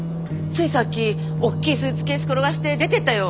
ついさっきおっきいスーツケース転がして出ていったよ。